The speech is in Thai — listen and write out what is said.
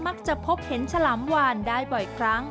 มักจะพบเห็นฉลามวานได้บ่อยครั้ง